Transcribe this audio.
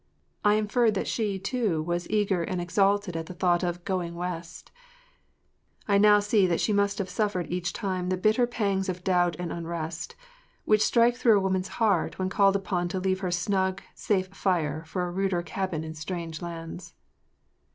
I inferred that she, too, was eager and exalted at the thought of “going West.” I now see that she must have suffered each time the bitter pangs of doubt and unrest which strike through the woman’s heart when called upon to leave her snug, safe fire for a ruder cabin in strange lands.